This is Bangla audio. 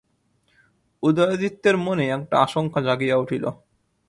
উদয়াদিত্যের মনে একটা আশঙ্কা জাগিয়া উঠিল।